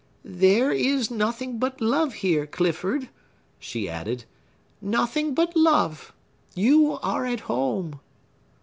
"There is nothing but love here, Clifford," she added,—"nothing but love! You are at home!"